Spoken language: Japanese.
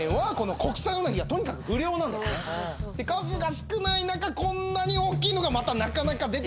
数が少ない中こんなに大きいのがまたなかなか出てこないんです。